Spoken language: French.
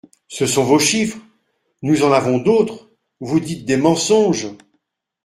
Ce sont vos chiffres ! Nous en avons d’autres !Vous dites des mensonges.